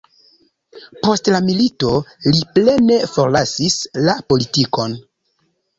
Post la milito li plene forlasis la politikon.